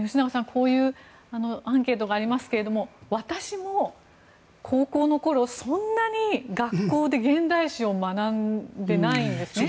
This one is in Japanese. こういうアンケートがありますけども私も高校の頃、そんなに学校で現代史を学んでないんですね。